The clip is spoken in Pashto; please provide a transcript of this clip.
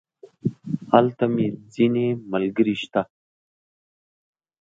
هلته مې ځينې ملګري شته.